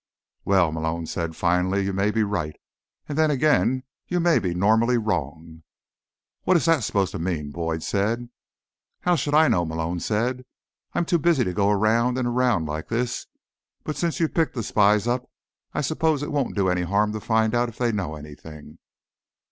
"Well," Malone said finally, "you may be right. And then again, you may be normally wrong." "What is that supposed to mean?" Boyd said. "How should I know?" Malone said. "I'm too busy to go around and around like this. But since you've picked the spies up, I suppose it won't do any harm to find out if they know anything."